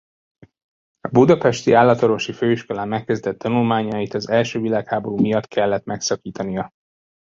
A budapesti Állatorvosi Főiskolán megkezdett tanulmányait az első világháború miatt kellett megszakítania.